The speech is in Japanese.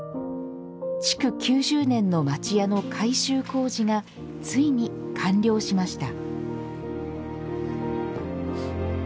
築９０年の町家の改修工事がついに完了しました。